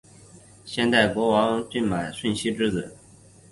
先代国王舜马顺熙之子。